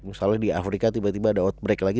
misalnya di afrika tiba tiba ada outbreak lagi